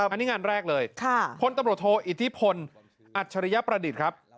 อันนี้งานแรกเลยพลตำรวจโทอิทธิพลอัจฉริยประดิษฐ์ครับ